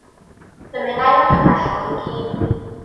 Dymunai fy nghyfaill fod yn gi.